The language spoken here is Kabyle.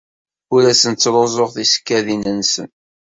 Ur asen-ttruẓuɣ tisekkadin-nsen.